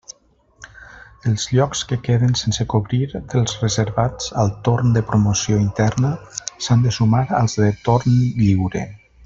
Els llocs que queden sense cobrir dels reservats al torn de promoció interna s'han de sumar als de torn lliure.